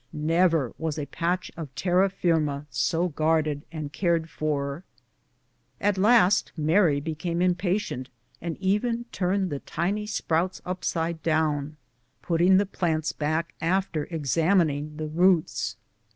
liever was a patch of terra firma so guarded and cared for ! At last Mary became im patient, and even turned the tiny sprouts upside down, putting the plants back after examining the roots.